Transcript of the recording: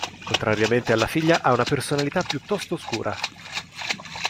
Contrariamente alla figlia ha una personalità piuttosto oscura.